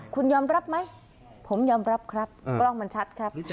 คุณยอมรับไหมผมยอมรับครับกล้องมันชัดครับ